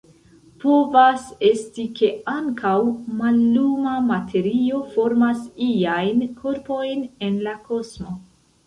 Povas esti, ke ankaŭ malluma materio formas iajn korpojn en la kosmo.